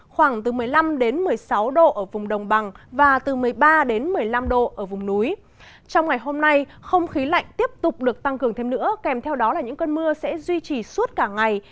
trong ngày hôm nay không khí lạnh tiếp tục được tăng cường thêm nữa kèm theo đó là những cơn mưa sẽ duy trì suốt cả ngày